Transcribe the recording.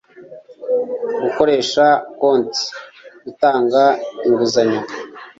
gukoresha konti gutanga inguzanyo